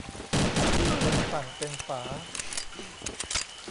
เป็นฝั่งเป็นฝา